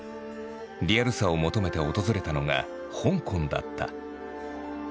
リアルさを求めて訪れたのが香港だった。